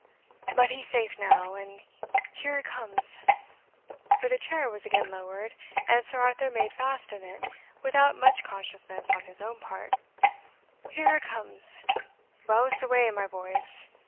But he's safe now, and here a' comes" (for the chair was again lowered, and Sir Arthur made fast in it, without much consciousness on his own part) "here a' comes Bowse away, my boys!